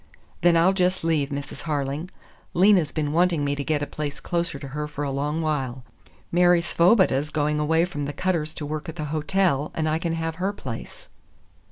"Then I'll just leave, Mrs. Harling. Lena's been wanting me to get a place closer to her for a long while. Mary Svoboda's going away from the Cutters' to work at the hotel, and I can have her place."